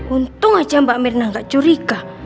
untung aja mbak mirna gak curiga